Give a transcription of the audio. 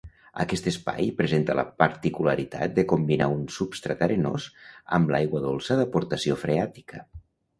Aquest espai presenta la particularitat de combinar un substrat arenós amb l'aigua dolça d'aportació freàtica.